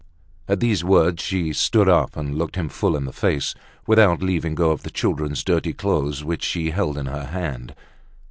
At these words she stood up and looked him full in the face, without leaving go of the children's dirty clothes, which she held in her hand.